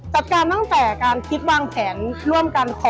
หื้อหื้อหื้อหื้อ